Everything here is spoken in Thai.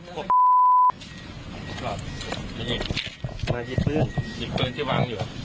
พวกนี่ยิบปืนที่วางอยู่